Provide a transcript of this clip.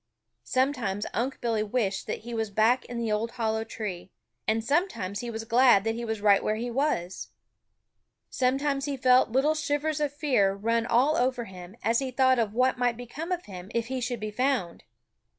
Sometimes Unc' Billy wished that he was back in the old hollow tree, and sometimes he was glad that he was right where he was. Sometimes he felt little shivers of fear run all over him as he thought of what might become of him if he should be found.